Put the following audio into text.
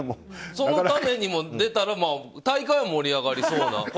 そのためにも出たら大会は盛り上がりそうな。